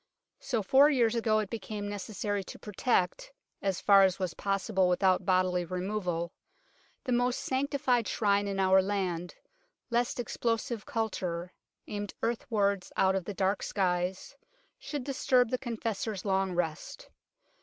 So four years ago it became necessary to protect, as far as was possible without bodily removal, the most sanctified Shrine in our land, lest explosive kultur, aimed earthwards out of dark skies, should disturb the Confessor's long rest.